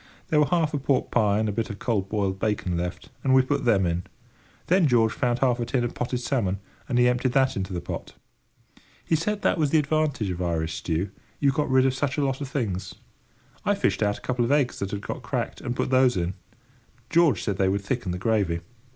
There were half a pork pie and a bit of cold boiled bacon left, and we put them in. Then George found half a tin of potted salmon, and he emptied that into the pot. He said that was the advantage of Irish stew: you got rid of such a lot of things. I fished out a couple of eggs that had got cracked, and put those in. George said they would thicken the gravy.